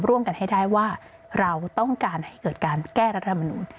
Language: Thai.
ร่วมกันให้ได้ว่าเราต้องการให้เกิดการแก้รัฐมนุน